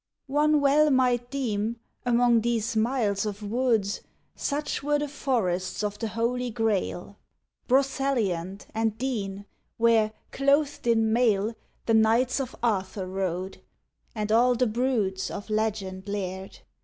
One well might deem, among these miles of woods, Such were the Forests of the Holy Grail, Broceliand and Dean; where, clothed in mail, The Knights of Arthur rode, and all the broods Of legend laired.